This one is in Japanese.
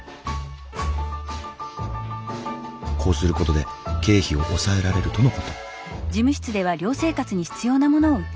こうする事で経費を抑えられるとの事。